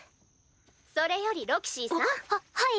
それよりロキシーさん。ははい！